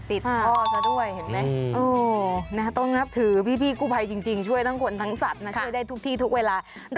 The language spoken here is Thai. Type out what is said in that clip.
ติดท่อซะด้วยเห็นไหมต้องนับถือพี่กู้ภัยจริงช่วยทั้งคนทั้งสัตว์นะช่วยได้ทุกที่ทุกเวลา